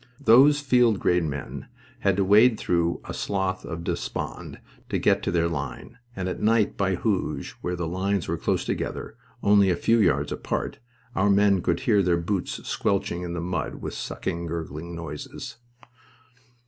Those field gray men had to wade through a Slough of Despond to get to their line, and at night by Hooge where the lines were close together only a few yards apart our men could hear their boots squelching in the mud with sucking, gurgling noises.